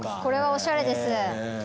これはおしゃれです。